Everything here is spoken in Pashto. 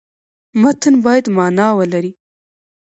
متن باید معنا ولري.